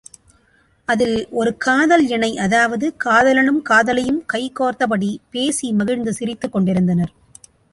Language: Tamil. அதில், ஒரு காதல் இணை அதாவது காதலனும் காதலியும் கை கோத்தபடிப் பேசி மகிழ்ந்து சிரித்துக் கொண்டிருந்தனர்.